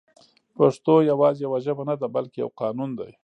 پښتو يوازې يوه ژبه نه ده بلکې يو قانون دی